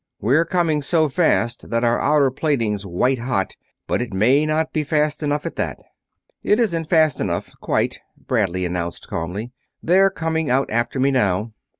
We're coming so fast that our outer plating's white hot, but it may not be fast enough, at that." "It isn't fast enough, quite," Bradley announced, calmly. "They're coming out after me now."